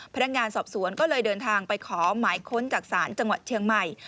พนักงานสอบสวนก็เลยเดินทางไปขอหมายค้นจากศาลจังหวัดเชียงใหม่